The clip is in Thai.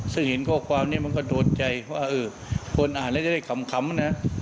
ซึ่งเห็นข้อความนี้มันก็โดนใจว่าเออคนอ่านแล้วจะได้ขำนะ